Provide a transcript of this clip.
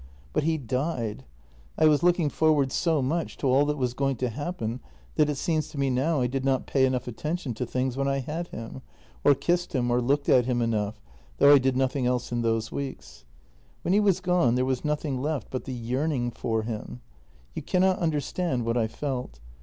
" But he died! I was looking forward so much to all that was going to happen that it seems to me now I did not pay enough attention to things when I had him, or kissed him or looked at him enough, though I did nothing else in those weeks. " When he was gone there was nothing left but the yearning for him. You cannot understand what I felt.